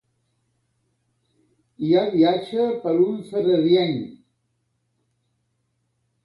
Hi ha viatge per a un ferrerienc!